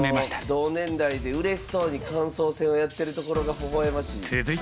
同年代でうれしそうに感想戦をやってるところがほほ笑ましい。